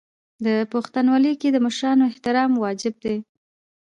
په پښتونولۍ کې د مشرانو احترام واجب دی.